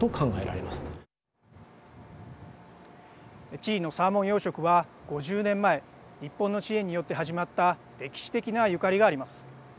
チリのサーモン養殖は５０年前日本の支援によって始まった歴史的なゆかりがあります。